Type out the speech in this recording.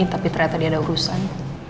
tapi ternyata dia ada urusan